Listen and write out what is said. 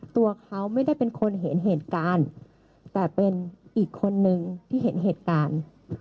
ตัวเขาไม่ได้เป็นคนเห็นเหตุการณ์แต่เป็นอีกคนนึงที่เห็นเหตุการณ์